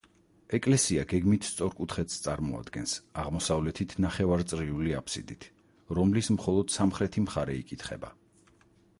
ეკლესია გეგმით სწორკუთხედს წარმოადგენს, აღმოსავლეთით ნახევარწრიული აბსიდით, რომლის მხოლოდ სამხრეთი მხარე იკითხება.